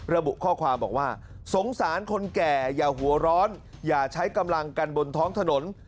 ระบุข้อความบอกว่าสงสารคนแก่อย่าหัวร้อนอย่าใช้กำลังกันบนท้องถนน